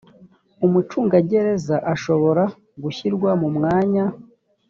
umucungagereza ashobora gushyirwa mu mwanya